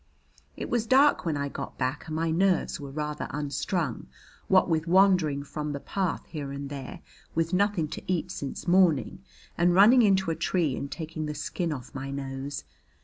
It was dark when I got back and my nerves were rather unstrung, what with wandering from the path here and there, with nothing to eat since morning, and running into a tree and taking the skin off my nose.